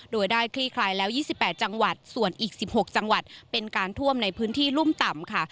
โดยได้คลี่คลายแล้ว๒๘จังหวัดส่วนอีก๑๖จังหวัดเป็นการท่วมในพื้นที่รุ่มต่ำค่ะ